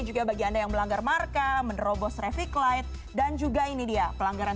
juga bagi anda yang melanggar marka menerobos traffic light dan juga ini dia pelanggaran